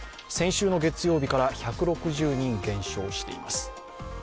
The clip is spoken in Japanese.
先週の月曜日から１６０人減少しています。